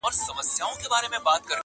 • له بارونو له زخمونو له ترټلو -